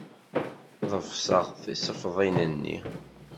Ḍefseɣ tisefḍin-nni.